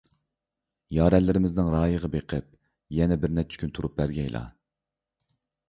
يارەنلىرىمىزنىڭ رايىغا بېقىپ، يەنە بىرنەچچە كۈن تۇرۇپ بەرگەيلا.